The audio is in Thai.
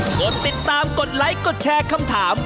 กดติดตามกดไลค์กดแชร์คำถาม